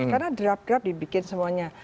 karena draft draft dibikin semuanya